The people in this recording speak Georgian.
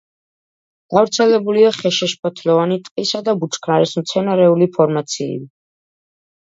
გავრცელებულია ხეშეშფოთლიანი ტყისა და ბუჩქნარის მცენარეული ფორმაციები.